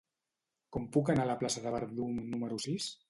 Com puc anar a la plaça del Verdum número sis?